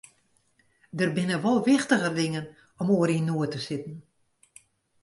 Der binne wol wichtiger dingen om oer yn noed te sitten.